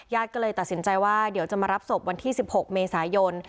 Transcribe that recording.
ก็เลยตัดสินใจว่าเดี๋ยวจะมารับศพวันที่๑๖เมษายน